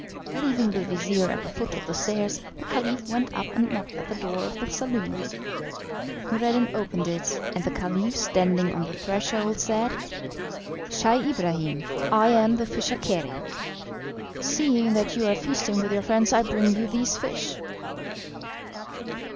Leaving the vizir at the foot of the stairs, the Caliph went up and knocked at the door of the saloon. Noureddin opened it, and the Caliph, standing on the threshold, said: "Scheih Ibrahim, I am the fisher Kerim. Seeing that you are feasting with your friends, I bring you these fish."